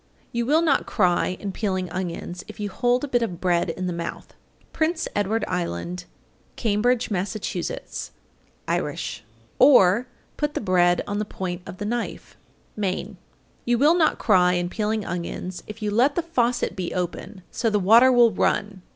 862. You will not cry in peeling onions if you hold a bit of bread in the mouth. Prince Edward Island, Cambridge, Mass. (Irish). Or, put the bread on the point of the knife. Maine. 863. You will not cry in peeling onions if you let the faucet be open so the water will run.